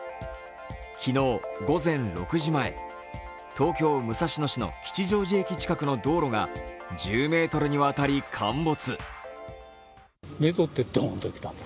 昨日、午前６時前東京・武蔵野市の吉祥寺駅近くの道路が１０ｍにわたり陥没。